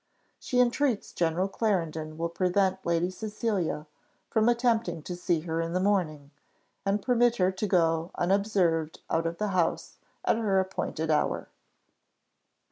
She entreats General Clarendon will prevent Lady Cecilia from attempting to see her in the morning, and permit her to go unobserved out of the house at her appointed hour.